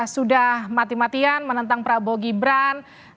sudah mati matian menentang prabowo gibran